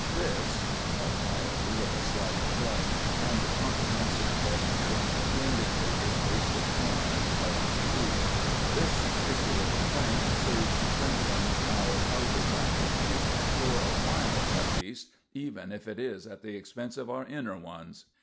This" more quietly, with a slight shrug and comprehensive gesture to indicate his wasted form and flushed cheeks "this particular complaint serves to strengthen our outer faculties for a while at least, even if it is at the expense of our inner ones."